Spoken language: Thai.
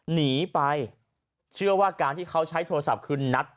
หนีไปเชื่อว่าการที่เขาใช้โทรศัพท์คือนัด